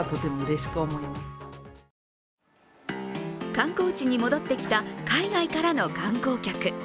観光地に戻ってきた海外からの観光客。